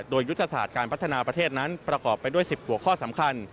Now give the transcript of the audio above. โดยยุทธศาสตร์การพัฒนาประเทศนั้นประกอบไปด้วย๑๐หัวข้อสำคัญ